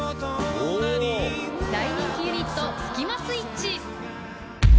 大人気ユニットスキマスイッチ。